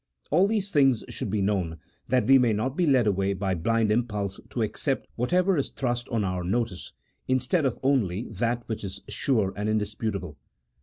All these things should be known, that we may not be led away by blind impulse to accept whatever is thrust on our notice, instead of only that which is sure and indisputable.